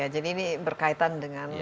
jadi ini berkaitan dengan